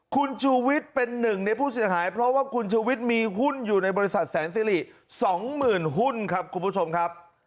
คุณชูวิทย์เป็นหนึ่งในผู้เสียหายเพราะว่าคุณชูวิทย์มีหุ้นอยู่ในบริษัทแสนสิริ๒๐๐๐หุ้นครับคุณผู้ชมครับ